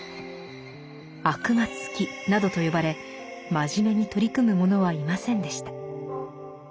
「悪魔つき」などと呼ばれ真面目に取り組む者はいませんでした。